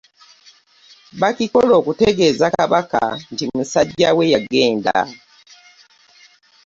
Bakikola okutegeeza Kabaka nti omusajja we yagenda.